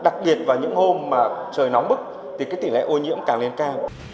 đặc biệt vào những hôm mà trời nóng bức thì cái tỷ lệ ô nhiễm càng lên cao